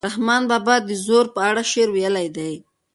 رحمان بابا د زور په اړه شعر ویلی دی.